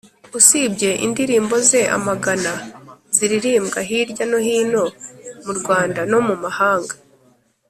Usibye indirimbo ze amagana ziririmbwa hirya no hino mu Rwanda no mu mahanga